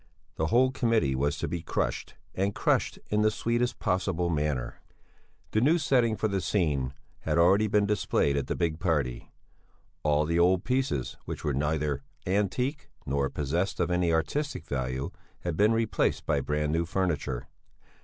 The whole committee was to be crushed and crushed in the sweetest possible manner. The new setting for the scene had already been displayed at the big party. All the old pieces which were neither antique nor possessed of any artistic value had been replaced by brand new furniture.